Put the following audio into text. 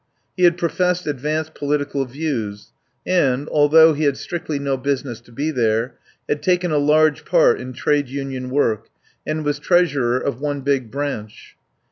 He had professed advanced political views, and, although he had strictly no business to be there, had taken a large part in Trade Union work, and was treasurer of one big branch.